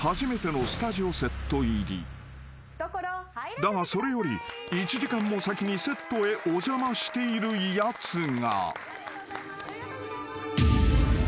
［だがそれより１時間も先にセットへお邪魔しているやつが］